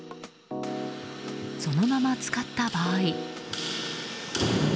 そのまま使った場合。